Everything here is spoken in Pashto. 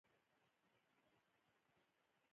مېلمه ته ښیرا مه کوه، دعا وکړه.